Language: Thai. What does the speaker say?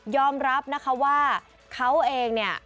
อมรับนะคะว่าเขาเองเนี่ย